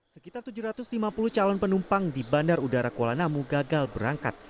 sekitar tujuh ratus lima puluh calon penumpang di bandar udara kuala namu gagal berangkat